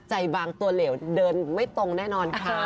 บางตัวเหลวเดินไม่ตรงแน่นอนค่ะ